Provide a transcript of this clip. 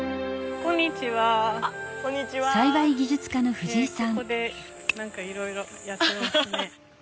ここで何かいろいろやってますね。